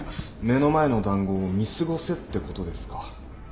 目の前の談合を見過ごせってことですか。